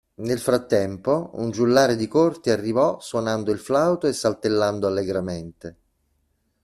Nel frattempo, un giullare di corte arrivò suonando il flauto e saltellando allegramente.